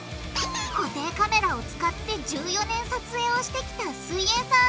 固定カメラを使って１４年撮影をしてきた「すイエんサー」